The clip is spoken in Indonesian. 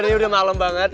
ini udah malem banget